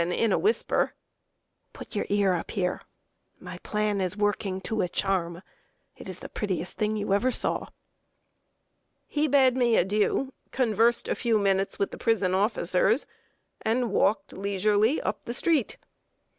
(In a whisper,) "Put your ear up here. My plan is working to a charm. It is the prettiest thing you ever saw." He bade me adieu, conversed a few minutes with the prison officers, and walked leisurely up the street.